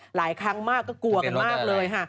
หลายครั้งมากก็กลัวกันมากเลยค่ะ